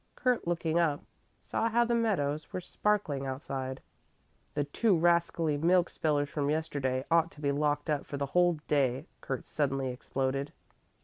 Kurt, looking up, saw how the meadows were sparkling outside. "The two rascally milk spillers from yesterday ought to be locked up for the whole day," Kurt suddenly exploded.